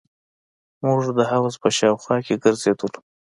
موږ د حوض په شاوخوا کښې ګرځېدلو.